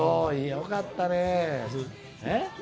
よかったね。